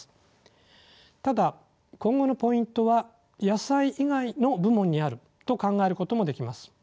ただ今後のポイントは野菜以外の部門にあると考えることもできます。